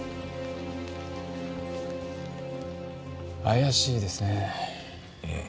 怪しいですねえ。